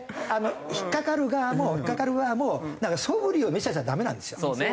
引っかかる側も引っかかる側もそぶりを見せちゃダメなんですよ。